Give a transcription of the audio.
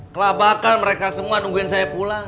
kelabakan mereka semua nungguin saya pulang